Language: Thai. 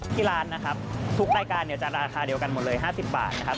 ที่ร้านนะครับทุกรายการเนี่ยจะราคาเดียวกันหมดเลย๕๐บาทนะครับ